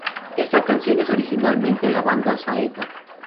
Esta canción es originalmente de la banda Saeta.